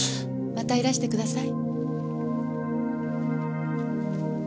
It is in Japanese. またいらしてください。